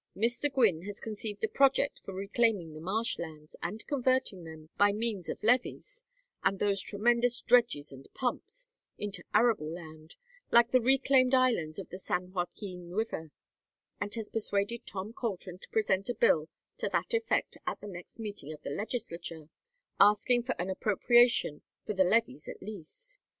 Mr. Gwynne has conceived a project for reclaiming the marsh lands, and converting them, by means of levees and those tremendous dredges and pumps, into arable land like the reclaimed islands of the San Joaquin River; and has persuaded Tom Colton to present a bill to that effect at the next meeting of the legislature asking for an appropriation for the levees, at least.